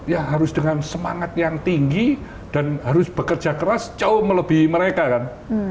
ya harus dengan semangat yang tinggi dan harus bekerja keras jauh melebihi mereka kan